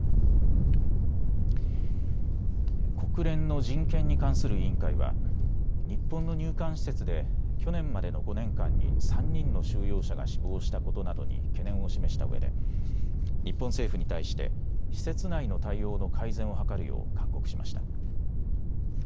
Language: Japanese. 国連の人権に関する委員会は日本の入管施設で去年までの５年間に３人の収容者が死亡したことなどに懸念を示したうえで日本政府に対して施設内の対応の改善を図るよう勧告しました。